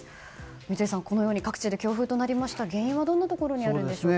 三井さん各地で強風となりましたが原因はどんなところにあるんでしょうか。